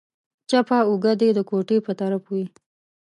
چپه اوږه دې د کوټې په طرف وي.